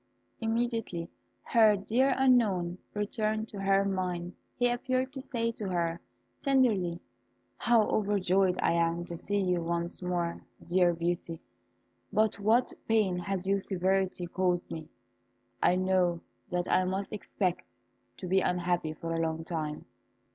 Immediately her dear unknown returned to her mind. He appeared to say to her, tenderly, "How overjoyed I am to see you once more, dear Beauty, but what pain has your severity caused me? I know that I must expect to be unhappy for a long time."